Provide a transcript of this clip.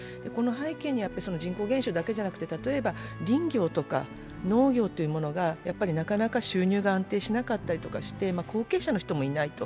この背景には人口減少だけじゃなくて例えば林業とか農業がなかなか収入が安定しなかったりして後継者の人もいないと。